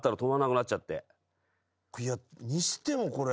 いや。にしてもこれ。